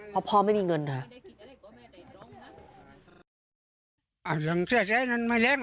เพราะพ่อไม่มีเงินค่ะ